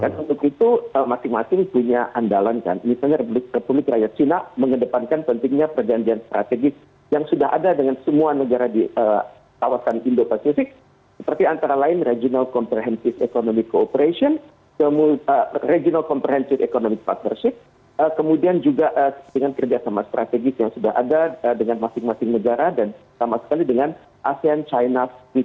dan untuk itu masing masing punya andalan kan misalnya republik raya cina mengedepankan pentingnya perjanjian strategis yang sudah ada dengan semua negara di kawasan indo pacific seperti antara lain regional comprehensive economic cooperation regional comprehensive economic partnership kemudian juga dengan kerja sama strategis yang sudah ada dengan masing masing negara dan sama sekali dengan asean china free trade area